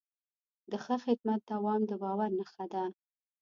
د ښه خدمت دوام د باور نښه ده.